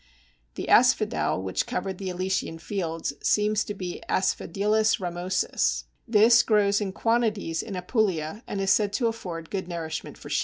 The Asphodel which covered the Elysian fields seems to be Asphodelus ramosus. This grows in quantities in Apulia, and is said to afford good nourishment for sheep.